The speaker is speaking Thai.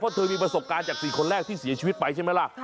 เพราะเธอมีประสบการณ์จาก๔คนแรกที่เสียชีวิตไปใช่ไหมล่ะ